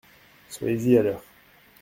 Soyez-y à l’heure !